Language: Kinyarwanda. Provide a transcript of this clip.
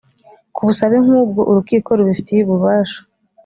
ku busabe nk ubwo urukiko rubifitiye ububasha